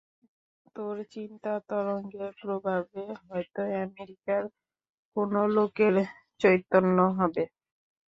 তোর চিন্তাতরঙ্গের প্রভাবে হয়তো আমেরিকার কোন লোকের চৈতন্য হবে।